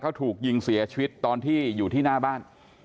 เขาถูกยิงเสียชีวิตตอนที่อยู่ที่หน้าบ้าน